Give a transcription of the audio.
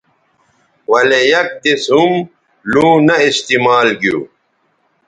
ولے یک دِس ھم لوں نہ استعمال گیو